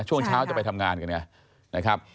ช่วงเช้าจะไปทำงานกันไงนะครับ